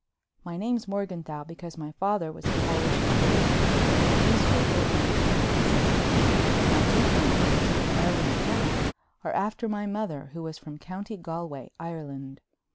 My name's Morganthau because my father was a Polish Jew—a piece worker on pants—but my two front names, Mary McKenna, are after my mother, who was from County Galway, Ireland.